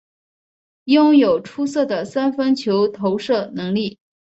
拥有出色的三分球投射能力。